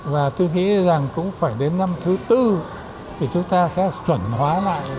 và tôi nghĩ rằng cũng phải đến năm thứ tư thì chúng ta sẽ chuẩn hóa lại